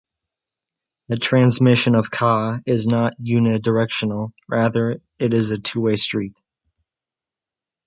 But transmission of Ca is not unidirectional; rather, it is a two-way street.